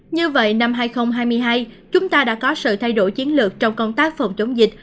như vậy năm hai nghìn hai mươi hai chúng ta đã có sự thay đổi chiến lược trong công tác phòng chống dịch